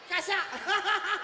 アハハハッ！